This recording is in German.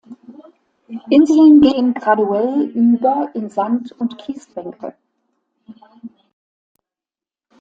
Inseln gehen graduell über in Sand- und Kiesbänke.